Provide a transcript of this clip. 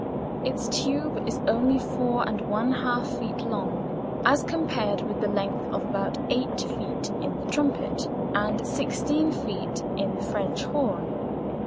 Its tube is only four and one half feet long, as compared with a length of about eight feet in the trumpet, and sixteen feet in the French horn.